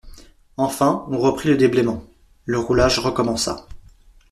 Enfin, on reprit le déblaiement, le roulage recommença.